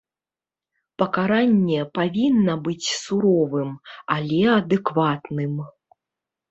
Пакаранне павінна быць суровым, але адэкватным.